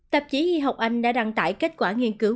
tạp chí y học anh đã đăng tải kết quả nghiên cứu